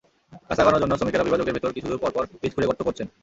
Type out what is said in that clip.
গাছ লাগানোর জন্য শ্রমিকেরা বিভাজকের ভেতরে কিছুদূর পরপর পিচ খুঁড়ে গর্ত করছেন।